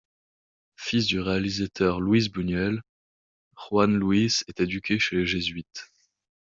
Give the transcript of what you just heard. Fils du réalisateur Luis Buñuel, Juan Luis est éduqué chez les Jésuites.